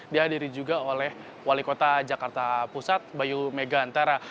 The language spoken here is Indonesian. dihadiri juga oleh wali kota jakarta pusat bayu megantara